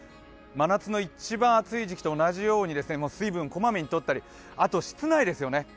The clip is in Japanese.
真夏の一番暑い時期と同じように水分をこまめに取ったり、あとは室内ですよね。